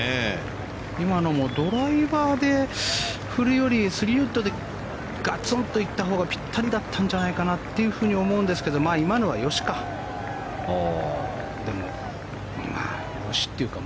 今のもドライバーで振るより３ウッドでガツンと行ったほうがぴったりだったんじゃないかなと思うんですけど今のはよしか。